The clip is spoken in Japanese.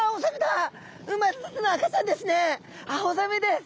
アオザメです。